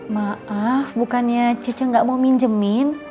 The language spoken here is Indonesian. maaf bukannya c c gak mau minjemin